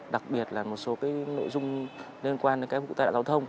đặc biệt là một số cái nội dung liên quan đến cái vụ này